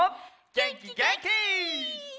げんきげんき！